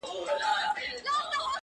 ما د ملا نه د آذان په لور قدم ايښی دی _